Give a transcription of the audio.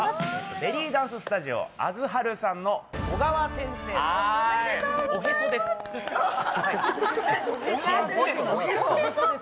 ベリーダンススタジオアズハルさんの小川先生のおへそです。